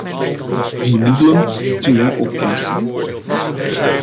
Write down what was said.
Die middelen moet wij opeisen.